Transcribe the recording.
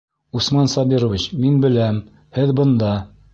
Усман Сабирович, мин беләм, һеҙ бында!